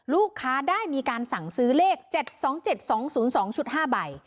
ลูกค้าได้มีการสั่งซื้อเลข๗๒๗๒๐๒ชุด๕ใบ